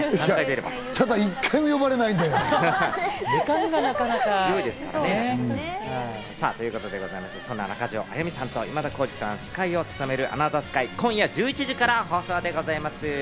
ただ一回も呼ばれないんだよ。ということでございまして、そんな中条あやみさんと今田耕司さんが司会を務める『アナザースカイ』は今夜１１時から放送でございます。